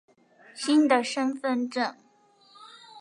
新的身份証